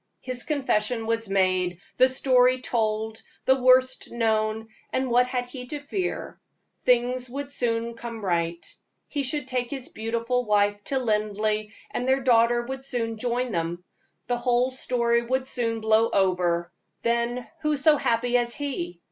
His confession was made, the story told, the worst known, and what had he to fear? Things would soon come right. He should take his beautiful wife to Linleigh, and their daughter would soon join them; the whole story would soon blow over, then who so happy as he?